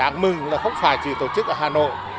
đáng mừng là không phải chỉ tổ chức ở hà nội